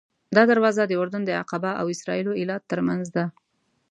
دا دروازه د اردن د عقبه او اسرائیلو ایلات ترمنځ ده.